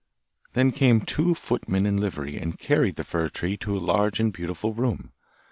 Then came two footmen in livery and carried the fir tree to a large and beautiful room.